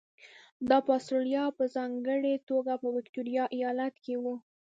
دا په اسټرالیا او په ځانګړې توګه په ویکټوریا ایالت کې وو.